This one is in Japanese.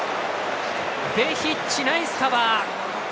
ベヒッチ、ナイスカバー！